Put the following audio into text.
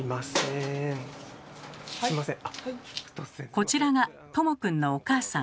こちらがとも君のお母さん。